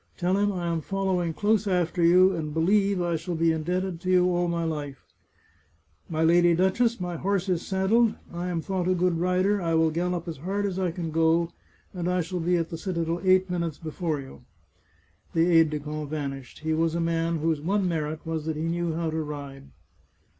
Tell him I am following close after you, and believe I shall be indebted to you all my life !"" My lady duchess, my horse is saddled ; I am thought a good rider ; I will gallop as hard as I can go, and I shall be at the citadel eight minutes before you." The aide de camp vanished. He was a man whose one merit was that he knew how to ride.